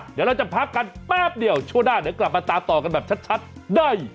เดี๋ยวเราจะพักกันแป๊บเดียวช่วงหน้าเดี๋ยวกลับมาตามต่อกันแบบชัดได้